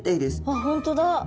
あっ本当だ！